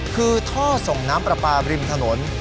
คือท่อส่งน้ำปลาปลาริมถนน